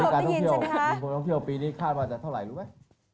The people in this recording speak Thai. คุณผู้ชมท่องเที่ยวปีนี้คาดว่าจะเท่าไหร่รู้ไหม